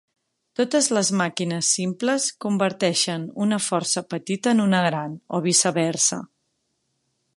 Totes les màquines simples converteixen una força petita en una gran, o viceversa.